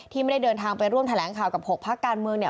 ไม่ได้เดินทางไปร่วมแถลงข่าวกับ๖พักการเมืองเนี่ย